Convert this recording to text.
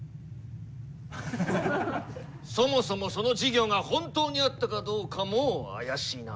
そもそもその事業が本当にあったかどうかも怪しいな。